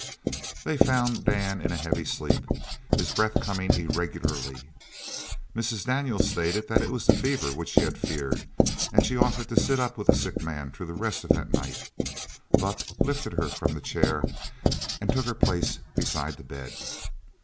They found Dan in a heavy sleep, his breath coming irregularly. Mrs. Daniels stated that it was the fever which she had feared and she offered to sit up with the sick man through the rest of that night. Buck lifted her from the chair and took her place beside the bed.